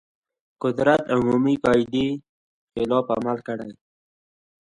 قدرت عمومي قاعدې خلاف عمل کړی.